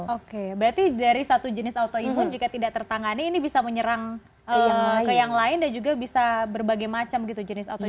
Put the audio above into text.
oke berarti dari satu jenis autoimun jika tidak tertangani ini bisa menyerang ke yang lain dan juga bisa berbagai macam gitu jenis autoimu